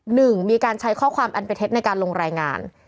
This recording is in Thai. หนึ่งมีการใช้ข้อความอันเป็นเท็จในการลงรายงาน